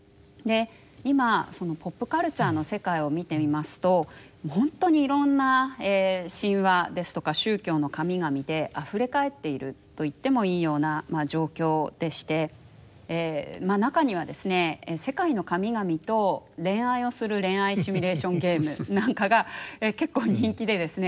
今ポップカルチャーの世界を見てみますと本当にいろんな神話ですとか宗教の神々であふれかえっているといってもいいような状況でして中にはですね世界の神々と恋愛をする恋愛シミュレーションゲームなんかが結構人気でですね